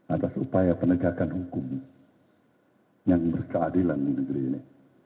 atas upaya penegakan hukum yang berkeadilan di negeri ini